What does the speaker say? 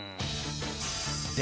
で